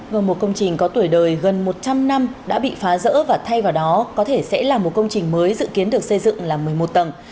và một công trình có tuổi đời gần một trăm linh năm đã bị phá rỡ và thay vào đó có thể sẽ là một công trình mới dự kiến được xây dựng là một mươi một tầng